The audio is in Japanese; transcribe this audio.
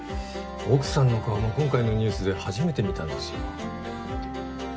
奥さんの顔も今回のニュースで初めて見たんですよ。